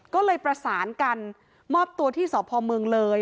ก็เลยประสานกันมอบตัวที่สพเมืองเลย